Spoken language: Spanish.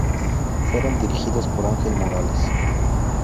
Fueron dirigidos por Ángel Morales.